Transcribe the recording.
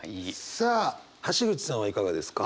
さあ橋口さんはいかがですか？